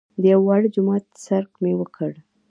د یوه واړه جومات څرک مې وکړ.